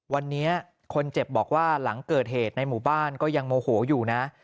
วันนี้คนเจ็บบอกว่าหลังเกิดเหตุในหมู่บ้านก็ยังโมโหอยู่นะ